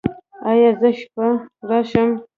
ایا زه شپه راشم؟